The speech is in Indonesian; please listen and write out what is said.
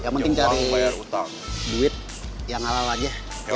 yang penting cari duit yang halal aja